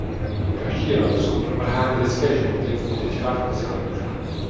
Každý rok jsou promrhány lidské životy v potyčkách mezi fanoušky.